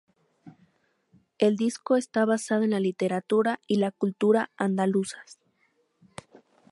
El disco está basado en la literatura y la cultura andaluzas.